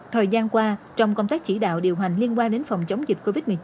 thời gian qua trong công tác chỉ đạo điều hành liên quan đến phòng chống dịch covid một mươi chín